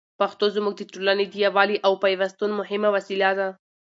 پښتو زموږ د ټولني د یووالي او پېوستون مهمه وسیله ده.